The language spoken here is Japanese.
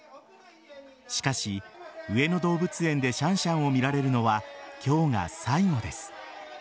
しかし、上野動物園でシャンシャンを見られるのは今日が最後です。